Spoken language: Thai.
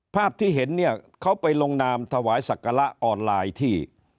ภาพที่เห็นเนี่ยเขาไปลงนามถวายศักระออนไลน์ที่